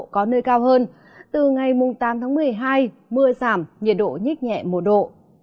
có nơi cao hơn từ ngày tám tháng một mươi hai mưa giảm nhiệt độ nhích nhẹ một độ